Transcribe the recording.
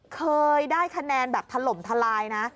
เคยได้คะแนนแบบถล่มทลายนะ